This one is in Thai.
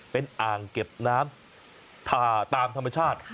เป็นอ่างเก็บน้ำผ่าตามธรรมชาติ